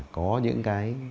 có những cái